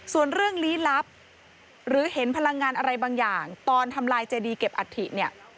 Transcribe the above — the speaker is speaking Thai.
ส่วนเรื่องลี้ลับหรือเห็นพลังงานอะไรบางอย่างตอนทำลายเจดีเก็บอัฐิเนี่ย